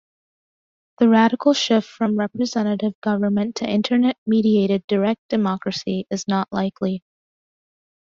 The radical shift from representative government to internet-mediated direct democracy is not likely.